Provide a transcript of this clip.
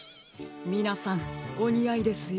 みなさんおにあいですよ。